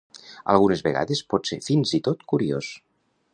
Algunes vegades pot ser fins i tot curiós.